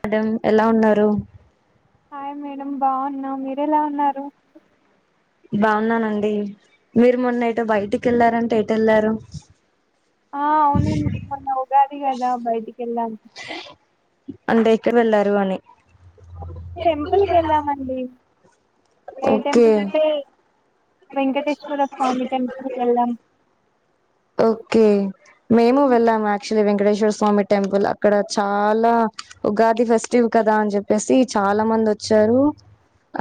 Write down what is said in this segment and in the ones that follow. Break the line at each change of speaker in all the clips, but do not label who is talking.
Madam ఎలా ఉన్నారు
hi madam బాగున్నాం మీరు ఎలా ఉన్నారు
బాగున్నానండి మీరు మొన్న ఎటో బయటికి కెళ్లారంటే ఎటు వెళ్లారు
ఆ అవున అండి మొన్న ఉగాది కదా బయటికి వెళ్ళాం
అంటే ఎక్కడి వెళ్ళారు అని
టెంపుల్ కి వెళ్లామండి ఏ
ఓకే
టెంపుల్ అంటే వెంకటేశ్వర స్వామి టెంపుల్ కి వెళ్ళాం
ఓకే మేము వెళ్ళాము యాక్చువలీ వెంకటేశ్వర స్వామి టెంపుల్ అక్కడ చాలా ఉగాది ఫస్టు కదా అని చెప్పేసి చాలా మంది వచ్చారు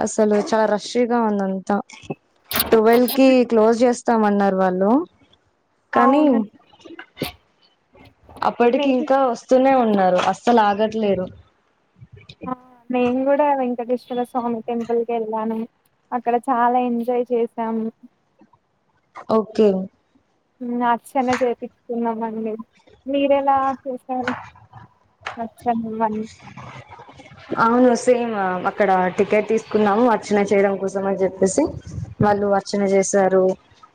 అసలు చాలా రష్ గా ఉందం ట్వెల్వ్ కి క్లోజ్ చేస్తామన్నారు వాళ్ళు కానీ
అవును
అప్పటికి
నేను
ఇంకా వస్తూనే న్నారు అస్సలు ఆగట్లేదు
నేను కూడా క్క వెంకటేశ్వర స్వామి టెంపుల్ కి వెళ్ళాను అక్కడ చాలా ఎంజాయ్ చేశాము
ఓకే
మీరు ఎలా చేసారు
అవును సేమ్ అక్కడ టికెట్ తీస్ కున్నాము అర్చన చేయడం కోసం అని చెప్పేసి, వాళ్ళు అర్చన చేశారు,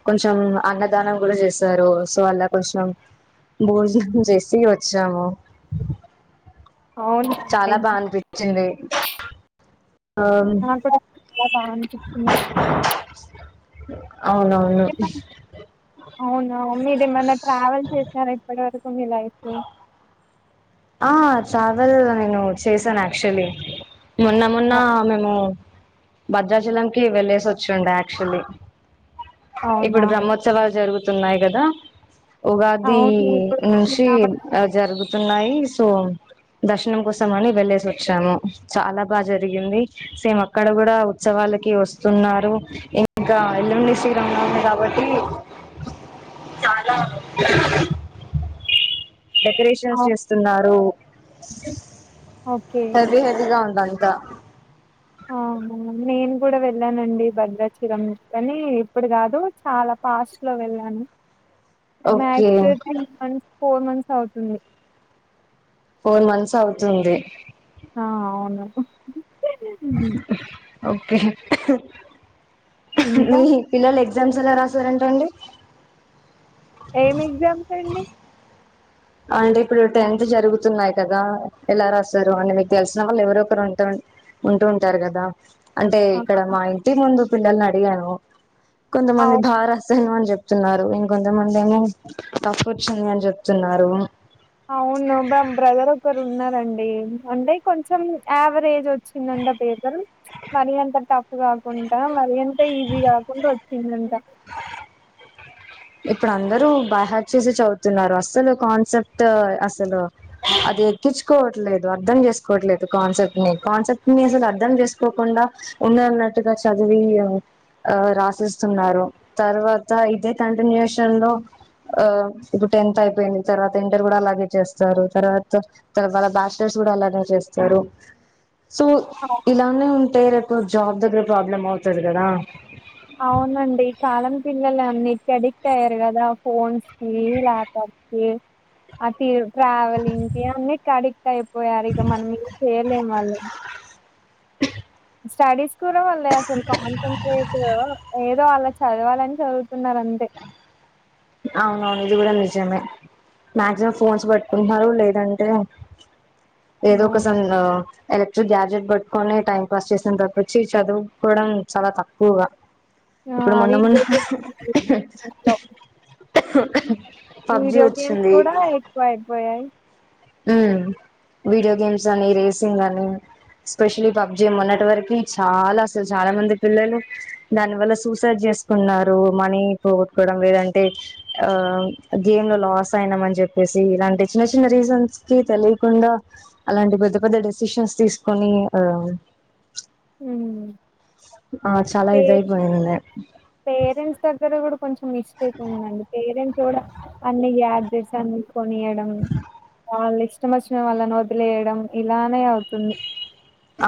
కొంచెం అన్నదానం కూడా చేసారు, సో అలా కొంచెం భోజనం చేసి వచ్చాము
అవునా అండి
చాలా బా అనిపించింది ఆ
నా కూడా చాలా బాగా అనిపిస్తుంది
అవునవును
అవును మీరు ఏమన్నా ట్రావెల్ చేసినారా ఇప్పటి వర మీ లైఫ్ లో
ఆ ట్రావెల్ నేను చేశాను యాక్చువలీ మొన్న మొన్న మేము భద్రాచలంకి వెళ్ళేసి వచ్చుండి యాక్చువల్లీ
అవునా
ఇప్పుడు బ్రహ్మోత్సవాలు జరుగు తున్నాయి కదా ఉగాది
అవును ఇప్పుడు
నుంచి
శ్రీరామనవమి
ఆ జరుగు తున్నాయి సో దర్శనం కోసం అని వెళ్లేసి వచ్చాము, చాలా బాగా జరిగింది, సేమ్ అక్కడ కూడా ఉత్సవాలకి వస్తున్నారు, ఇంకా ఎల్లండి శీరంలో ఉంది కాబట్టి చాలా
ఆ!
డెకరేషన్స్ చేస్తున్నారు
ఓకే
[unintelligible] త్త
ఆ నేను కూడా వెళ్ళానండి భద్రాచలం, కాని ఇప్పుడు కాదు చాలా పాస్ట్ లో వెళ్ళాను.
Okay
max three months four months అవుతుంది
ఫోర్ మంత్స్ అవుతుంది
ఆ! అవును.
ఓ
ఇంకా
మీ పిల్లలు ఎగ్జామ్స్ ఎలా రాశారంట అండి
ఏం ఎగ్జామ్స్ అండి
అంటే ఇప్పుడు టెన్త్ జరుగుతున్నా్ కదా ఎలా రాస్తారు అంటే మీకు తెలిసిన వాళ్ళు ఎవరొ ఒకరు ఉంటూ ఉంటూ ఉంటారు కదా అంటే ఇక్కడ
ఆహా!
మా ఇంటి ముందు పిల్లలని అడిగాను కొంతమంది భా
అవును.
రాసాను అని చెప్తున్నారు ఇంకొంతమందేమో తప్పు ఒచ్చింది అని చెప్తున్నారు రు
అవును బా బ్రదర్ ఒకరు ఉన్నారండీ అంటె కొంచెం యావరేజ్ వచ్చిందంట పేపర్ మరి అంత టఫ్ కాకుండ్ మరి అంత ఈజీగా కాకుండా వచ్చ్ ఎండంట
ఇప్పుడు అందరూ బయ్ హ్యాట్ చేసి చదువుతున్నారు అస్సలు కాన్సెప్ట్ అసలు అది ఎక్కించుకోవట్లేదు అర్ధం చేసుకోవట్లేదు కాన్సెప్ట్ ని కాన్సెప్ట్ ని అసలు అర్ధం చేసుకోకుండా ఉన్నదున్నట్టుగా చదివి రాసిస్తున్నారు తర్వాత ఇదే కంటిన్యూేషన్ లో ఇప్పుడు టెన్త్ అయిపోయింది తర్వాత ఇంటర్ కూడా అలాగే చేస్తారు తర్వాతవాళ్ళ బ్యాచలర్స్ కూడా అలాగే చేస్తారు సో
అవు
ఇలానే ఉంటె రెప్ జాబ్ దగ్గర ప్రాబ్లమ్ అవుతుది కదా
అవునండి కాలం పిల్లలు అన్నిక అడిక్ట్ అయ్యారు కదా ఫోన్స్ కి ల్యాప్టాప్స్ కి ఆ ట్రావెలింగ్ కి అన్నిట్కి అడిక్ట్ అయిపోయారు ఇక మనం ఏద చేయలేము వాళ్ళు స్టడీస్ డా అసల్ కాన్సన్ంట్రేట్ ఏదో అల చదవాలని చదువుతున్నారు అంతే
అవునవును ఇది కూడా నిజమే మాక్సిమం ఫోన్స్ పట్టుకుంటున్నారు లేదంటే ఏదో
హ్మ్.
ఒకసంగ ఎలక్ట్రిక్ గ్యా బెట్ పట్టుకొని టైం పాస్ చేసిన త వచ్చి చదువుకోవడం చాలా తక్కువగా
ఆ
ఇప్పుడు మొన్న మొన్న
వీడియో గేమ్స్ అవి ఇంట్లో
పబ్జి
వీడియో గేమ్స్
వచ్చింది
కూడా ఎక్కువ అయిపోయాయి
ఉమ్ వీడియో గేమ్స్ అని రేసింగ్ అని ఎస్పెషలీ పబ్జి ఏ ఉన్నటి వరకి చాలా అసలు చాలా మంది పిల్లలు దాని వల్ల సూసైడ్ చేసుకున్నారు మనీ పోగొట్టుకోవడం లేదంటే ఆ గేమ్ లో లాస్ అయినం అని చెప్పేసి ఇలాంటి చిన్న చిన్న రీజన్స్ కి తెలియకుండా అలాంటి పెద్ద పెద్ద డెసిషన్స్ తీసుకొని ఆ
ఉమ్
ఆ చాలా ఇదయిపోయింది.
పేరంట్స్ దగ్గర కూడ కొంచెం మిస్టేక్ ఉందండి పేరెంట్స్ కూడా అన్ని యాడ్ చేసారు మీరూ కొనియడం వాల్లిష్ట్ ఇష్టమొచ్చిన వాళ్ళని వదిలేయడం ఇలానే అవు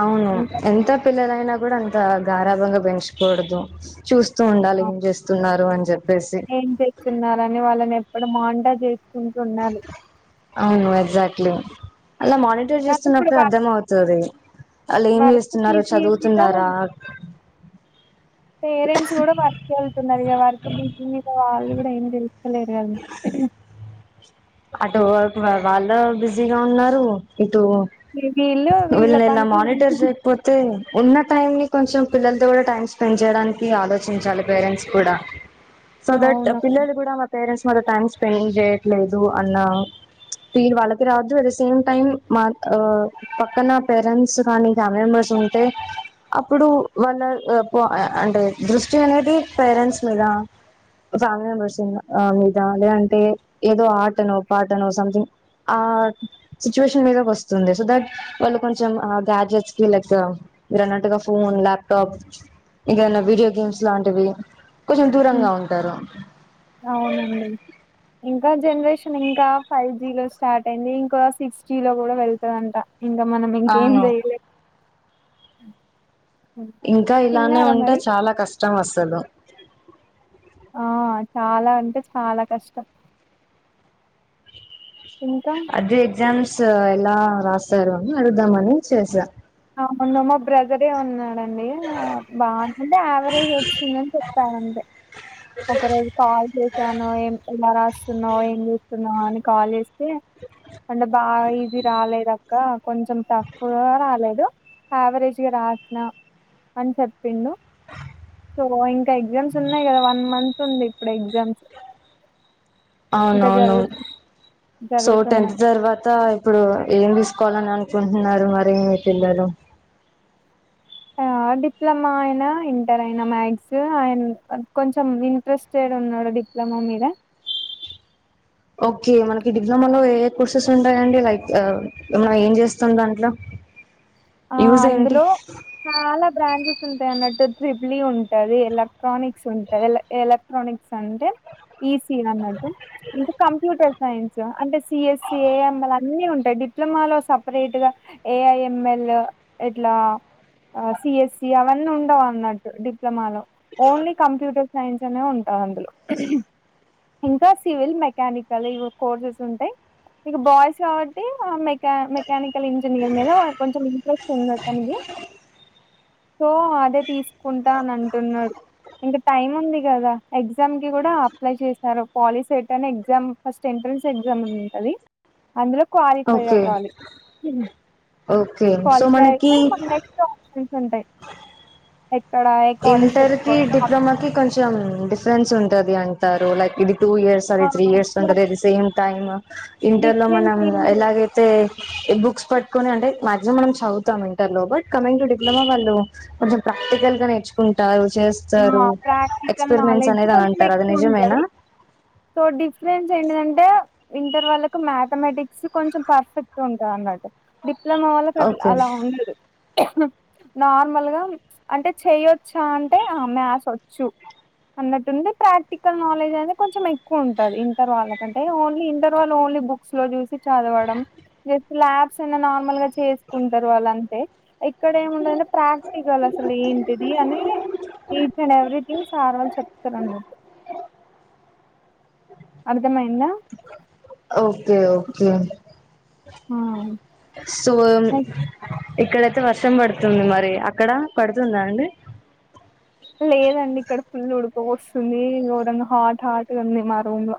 అవును ఎంత పిల్లలైనా కూడ అంత గారాబంగా పెంచుకూడదు చూస్ చూస్తు ఉండాలి ఏం చేస్తున్నారు అనీ
ఏం చేస్తున్నారని వాళ్ళని ఎప్ ఇక్కడ మానిటర్ చేసి
అవును ఎగ్జాక్ట్ ఇట్లో అలా మానిటర్
కానీ ఇప్పుడు
చేస్తున్నప్పుడే
వ
అర్థం అవుతది వాళ్లేం
వర్క్
చేస్తున్నారు
బిజీ మీద
చదువుతున్నారా
పేరెంట్స్ కూడా వర్క్ వెళ్తున్నారు ఇగ వర్క్ బిజి మీద వాళ్ళు కూడా ఏం తెలుసుకోలేరు.
అటు వర్క్లో వాళ్ళు బిజీగా ఉన్నారు. ఇట్ టూ
వీళ్ళు వీళ్ళ
వీళ్ళనీ ఇలా
పనులు
మానిటర్
వీళ్ళ
చేయకపోతే ఉన్నట్ టైమ్ ని కొంచెం పిల్లలతో కూడా టైం స్పెండ్ చేయడానికి ఆలోచించాలి పేరెంట్స్ కూడా సో దట్
అవును
పిల్లలు కూడా మా పేరెంట్స్ మాతో టైం స్పెండ్ చేయట్లేదు. ఉ అన్న ఫీల్ వాళ్ళకి రావద్దు. సేమ్ టైమ్ మావో పక్కన పేరెంట్స్ కానీ ఫ్యామిలీ మెంబర్స్ ఉంటే అప్పుడు వాళ్ళ అంటే దృష్టి అనేది పేరెంట్స్ మీద ఫ్యామిలీ మెంబెర్స్ మీద లేదంటే ఏదో ఆటనో పాటనో సంథింగ్ ఆ సిచ్యువేషన్ మీద వస్తుంది సో దట్ వాళ్ళు కొంచెం ఆ గ్యాడ్జెట్స్ కి లైక్ మీరు అన్నట్టుగా ఫోన్ ల్యాప్టాప్ ఇంక ఏమైన వీడియో గేమ్స్ లాంటివి. కొంచెం దూరంగా
ఉమ్,
ఉంటారు.
అవునండి ఇంకా జనరేషన్ ఇంకా ఫైవ్ జి లో స్టార్ట్ అయింది ఇంకో సిక్స్ జి లో కూడా వెళ్తదంట. ఇంక మనం ఇంకేం
అవును
చెయ్యలేం. అ
ఇంకా ఇలానే ఉంటే చాలా కష్ కష్టం అసలు
ఆ చాలా అంటే చాలా కష్టం. ఇంకా
అదే ఎగ్జామ్స్ స్ ఎలా రాసారు అని అడుగుదామని చేసా
ఆవున్ నామ్ మా బ్రదరే ఉన్నా డన్ డి బాంటే యావరేజ్ వచ్చిందని చెప్పారు అంతే ఒక రోజు కాల్ చేశాను ఏ ఎలా రా స్తున్నావ్ ఏం చూస్తున్నావ్ అని కాల్ చేస్తే అంటే బాగా ఈజీ రాలేదు అక్క కొంచెం టఫ్గా రాలే యావరేజ్ గా రాసిన అని చెప్పిండు సో ఇంకా ఎగ్జామ్స్ ఉన్నాయి కదా వన్ మంత్ ఉంది ఇప్పుడు ఎగ్జామ్స్ ఇంకా
అవునవును
జరుగుతు
సో టెన్త్
జరుగుతున్నాయి
తర్వాత ఇప్పుడు ఏం తీస్ కోలని అనుకుంటున్నారు మరి మీ పిల్లలు
ఆ డిప్లొమా అయిన, ఇంటర్ అయిన, మ్యాథ్స్ అయిన్, కొంచెం ఇంట్రెస్టెడ్ గా ఉన్నాడు డిప్లొమా మీద
ఓకే మనకి డిప్లొమాలో ఏ కోర్సెస్ ఉంటాయంండి లైక్ మన ఏం చేస్తాం దాంట్లో
ఆ
యూజ్ ఏంటి
అందులో చాలా బ్రాంచ్ చెస్ ఉంటాయి అన్నట్టు ట్రిపులీ ఉంటది. ఎలక్ట్రానిక్స్ ఉంటది, ఎలక్ట్రానిక్స్ అంటే ఈసి అన్నట్టు, ఇంకా కంప్యూటర్ సైన్స్ అంటే సిఎస్సి, ఏఎంఎల్ అన్ని ఉంటాయి, డిప్లొమాలో సపరేట్ గా ఏఐఎంఎల్. ఇట్లా సిఎస్సి, అవన్నీ ఉండవు అన్నట్టు డిప్లొమాలో ఓన్లీ కంప్యూటర్ సైన్స్ అనే ఉంటాది. అందులో ఇంకా సివిల్, మెకానికల్, కోర్సెస్ ఉంటాయి. ఇక బాయ్స్ కాబట్టి మెకా మెకానిక్ కల్ ఇంజనీర్ మీద కొంచెం ఇంట్రెస్ట్ ఉందా తనది సో అదే తీసుకుంటా అని అంటున్నాడు, ఇంకా టైమ్ ఉంది కదా. ఎగ్జామ్ కి కూడా అప్లై చేశారు పాలి సెట్ అని ఎగ్జామ్ ఫస్ట్ ఎంట్రన్స్ ఎగ్జామ్ ఉంటది అందులో క్వాలిఫై
ఓకే
అవ్వాలి
ఓకే సో మనకి
ఉంటయి ఎక్
ఇంటర్ కి డిప్లొమాకి కొంచెం డిఫరెన్స్ ఉంటది అంటారు లైక్ ఇది టూ ఇయర్స్
ఆ!
అది త్రీ ఇయర్స్
సో
ఉంటది అది సేమ్ టైమ్ ఇంటర్ లో
డిఫరెన్స్
మనం
ఏం లేదు
ఎలాగైతే ఈ బుక్స్ పట్కొని అంటే మాక్సిమం మనం చదువుతాం ఇంటర్ లో. బట్ కమింగ్ టు డిప్లొమా వాళ్ళు కొంచెం ప్రాక్టికల్ గా నేర్చు కుంటారు.
ఆ ప్రాక్టికల్ నాలెడ్జ్
అనేది అని
కొంచెం
అంటారు అది
ఎక్కువ ఉంటది
నిజమేనా
సో డిఫరెన్ సెంటీ దంటే ఇంటర్ వాళ్ళకు మథమెటిక్స్ కొంచెం పర్ఫెక్ట్ ఉంటంది అన్నట్టు డి ప్ ప్లోమా వాళ్ళకి అట్లా
ఓకే
అలా ఉన్ లేదు నార్మల్గా అంటే చెయొచ్చా అన్ టే మ్యాథ్ వచ్చు అన్నట్టుంది ప్రాక్టికల్ నాలెడ్జ్, అనేది కొంచెం ఎక్కువ ఉంటది. ఇంటర్ వాళ్ళ కంటే, ఓన్లీ ఇంటర్ వాళ్ ఓన్లీ బుక్స్ లో చూసి చదవడం, జస్ట్ ల్యాబ్స్ ఏనా నార్మల్గా చేసుకుంటారు వాళ్ అంతే ఇక్కడ ఏముండంటే ప్రాక్టికల్ అసలు ఏంటిది అని ఈచ్ అండ్ ఎవ్రీథింగ్ సార్ వాల్ు చెప్తారు అన్నట్టు అన్
ఓకే ఓ ఏమిటండి.
ఆ
సో ఇక్కడైతే వర్షం పడుతుంది. మరి అక్కడ పడుతుందా అండి.
లేదండి ఇక్కడ ఫుల్ ఉడుక పోస్తుంది. ఘోరంగా హాట్ హాట్గా ఉంది. మా రూమ్ లో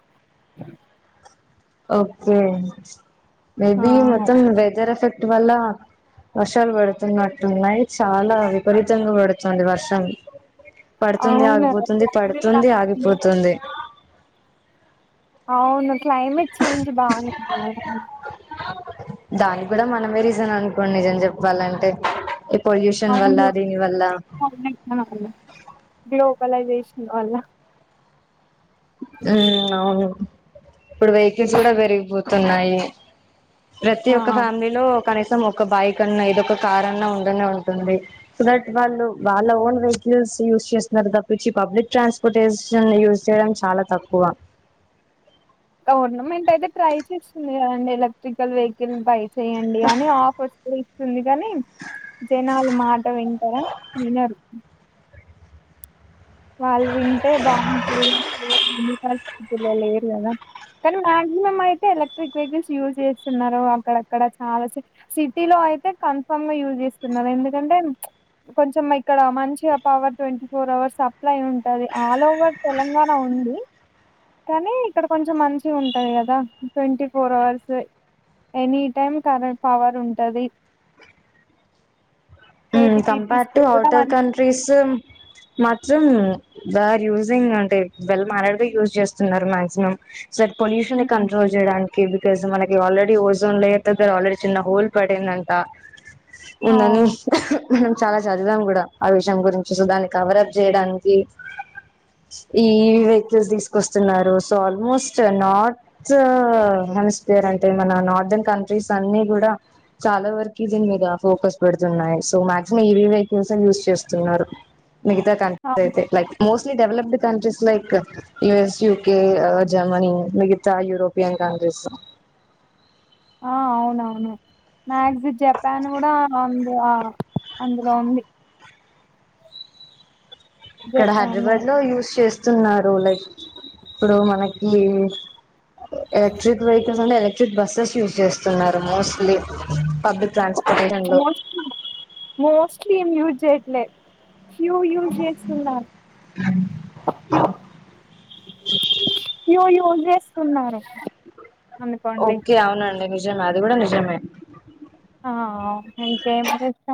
ఓకే
ఆ
మేబి మొత్తం వెదర్ ఎఫెక్ట్ ఇటి వల్ల వర్షాలు పడుతున్నట్టున్నాయి. చాలా విపరీతంగా పడుతుంది వర్షం పడుతుంది,
అవును
ఆగిపోతుంది,
క్లైమేట్
పడుతుంది, ఆగిపోతుంది
అవును క్లైమేట్ చేంజ్ బాగలే [unintelligible]
దానికి కూడా మనమే రీజన్ అనుకోండి. నిజం చెప్పాలంటే పొల్యూషన్ వల్ల
అవును
దీని వల్ల
పోలైజెషన్ వల్ల
హ్మ్ అవును ఇప్పుడు వెహికల్స్ కూడా పెరిగిపోతు తున్నాయి. ప్రతి ఒక్క ఫ్యామిలీలో కనీసం ఒక బైక్ అన్నా ఏదొ ఒక కార్ అన్నా ఉండనే ఉంటుంది. సో దట్ వాళ్ళు వాళ్ళ ఓన్ వెహికల్స్ యూజ్ చేస్తున్నారు. తప్పిచ్చి పబ్లిక్ ట్రాన్స్పోర్టేషన్ యూస్ చేయడం చాలా తక్కువా
గవర్నమెంట్ అయితే ట్రై చేస్తుంది. కదండి ఎలక్ట్రికల్ వెహికల్ పై చెయ్యండి. గాని ఆఫర్స్ ఇస్తుంది కాని జనాలు మాట వింటారా వినరు. వాళ్ళు వింటే బాగుంటది [unintelligible] లేదు కదా కానీ మాక్సిమం అయితే ఎలక్ట్రిక్ వెహికల్స్ యూజ్ చేస్తున్నారు. అక్కడక్కడ చాలా సిటీ లో అయితే కన్ఫామ్ గా యూజ్ చేస్తున్నారు. ఎందుకంటే కొంచెం ఇక్కడ మంచిగా power twenty four hours supply ఉంటది. ఆల్ ఓవర్ తెలంగాణ ఉంది కానీ ఇక్కడ కొంచెం మంచిగా ఉంటది కదా twenty four hours any time current power ఉంటది.
కంపేర్
కేటీపీపీస్
టు
కూడా
ఔటర్
మంచి
కంట్రీస్ మొత్తం బ ఆర్ యూజింగ్ అంటే [unintelligible] యూజ్ చేస్తున్నారు. మాక్సిమం ఇటు సైడ్ పొల్యూషన్
హ్మ్.
కంట్రోల్ చేయడానికి ఎందుకు తెలుసా మనకి ఆల్రెడీ ఓజోన్ లేయార్ దగ్గర ఆల్రెడీ చిన్న హోల్ పడిందంటా మొన్న
అవును
న్యూస్ మనం చాలా చదిదాం కూడా ఆ విషయం గురించి నువ్వు దాన్ని కవర్ అప్ చేయడానికి ఈ వెహికల్స్ తీసుకొస్తున్నారు. సో ఆల్మోస్ట్ నార్త్ హెమస్పియర్ అంటే మన నార్దన్ కంట్రీస్ అన్ని కూడా చాలా వరకు దీని మీద ఫోకస్ పెడుతున్నాయి. సో మాక్సిమం ఇవి వెహికల్స్ యే యూజ్ చేస్తున్నారు. మిగతా
అవును
కంట్రీస్ ఐతే like most developed countries like U. S, U. K, Germany European, countries
ఆ అవునవును మక్సి, జపాన్ కూడా అందు అందులో ఉంది.
ఇక్కడ
జపాన్
హైదరాబాద్ లో యూజ్ చేస్ స్తున్నారు లైక్ ఇప్పుడు మనకి ఎలక్ట్రిక్ వెహికల్స్ అంటే ఎ బస్సెస్ యూజ్ చేస్తున్నారు మోస్ట్లీ పబ్లిక్ ట్రాన్స్పోర్ట్ట్ లో
స్మ్ యూజ్ చెట్లే ఫ్యూ యూస్ చేస్తున్నారు, ఫ్యూ యూస్ చేస్ తున్నారే
ఓకే అవునండి మీర్ నిజమే అది కూడా నిజమే
ఆహ్ ఇంకే చేస్తాం